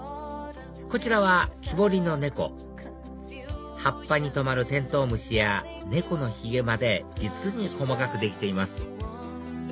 こちらは木彫りの猫葉っぱに止まるテントウムシや猫のひげまで実に細かくできています